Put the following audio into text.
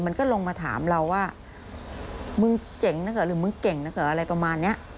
มันก็ลงมาถามเราว่ามึงเจ๋งหรือเก่งหรืออะไรประมาณนี้